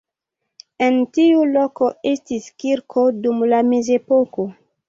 En tiu loko estis kirko dum la mezepoko.